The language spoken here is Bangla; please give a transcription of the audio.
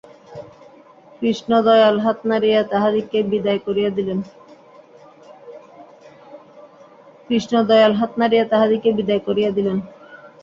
কৃষ্ণদয়াল হাত নাড়িয়া তাহাদিগকে বিদায় করিয়া দিলেন।